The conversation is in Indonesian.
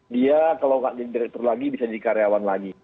dia kalau nggak jadi direktur lagi bisa jadi karyawan lagi